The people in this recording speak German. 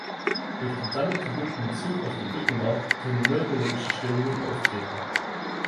Durch den damit verbundenen Zug auf dem Rückenmark können neurologische Störungen auftreten.